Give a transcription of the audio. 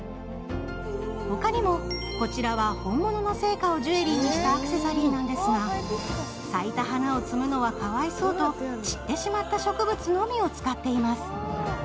他にも、こちらは本物の生花をジュエリーにしたアクセサリーなんですが、咲いた花を摘むのはかわいそうと、散ってしまった植物のみを使っています。